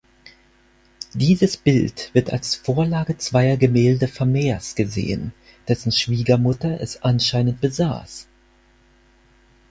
Dieses Bild wird als Vorlage zweier Gemälde Vermeers gesehen, dessen Schwiegermutter es anscheinend besaß.